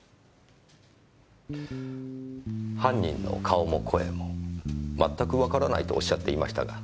犯人の顔も声もまったくわからないとおっしゃっていましたが。